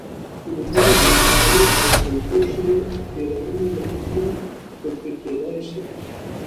فلزونه د برېښنايي او تودوخې تیرونې له مخې توپیر کیدای شي.